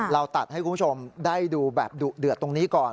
เราตัดให้คุณผู้ชมได้ดูแบบดุเดือดตรงนี้ก่อน